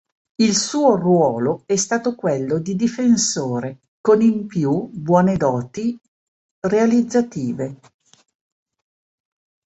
Il suo ruolo è stato quello di difensore con in più buone doti realizzative.